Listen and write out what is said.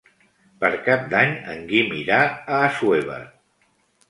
Per Cap d'Any en Guim irà a Assuévar.